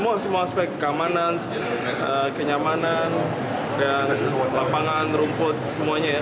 aspek keamanan kenyamanan lapangan rumput semuanya